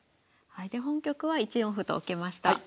で本局は１四歩と受けました。